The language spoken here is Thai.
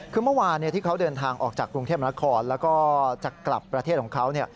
คือเมื่อวานที่เขาเดินทางออกจากกรุงเทพมนาคมแล้วก็จะกลับประเทศของเขา